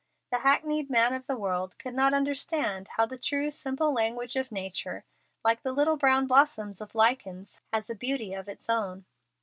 The hackneyed man of the world could not understand how the true, simple language of nature, like the little brown blossoms of lichens, has a beauty of its own.